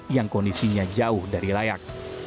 yang kondisinya jauh dari layak